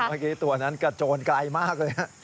เมื่อกี้ตัวนั้นกระโจนไกลมากเลย